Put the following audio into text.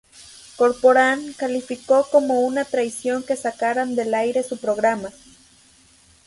Corporán calificó como una traición que sacaran del aire su programa.